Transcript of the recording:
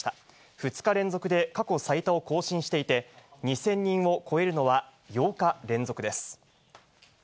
２日連続で過去最多を更新していて、２０００人を超えるのは８日連続です。